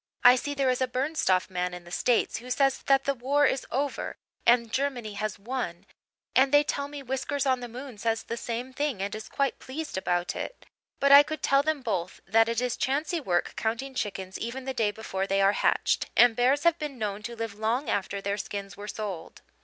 "I see there is a Bernstoff man in the States who says that the war is over and Germany has won and they tell me Whiskers on the moon says the same thing and is quite pleased about it, but I could tell them both that it is chancy work counting chickens even the day before they are hatched, and bears have been known to live long after their skins were sold."